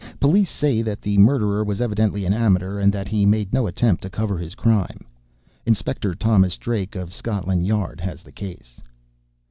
Police say that the murderer was evidently an amateur, and that he made no attempt to cover his crime. Inspector Thomas Drake of Scotland Yard has the case.